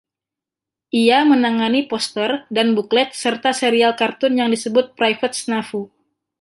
Ia menangani poster dan buklet, serta serial kartun yang disebut Private Snafu.